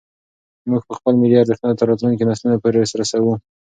موږ به خپل ملي ارزښتونه تر راتلونکو نسلونو پورې رسوو.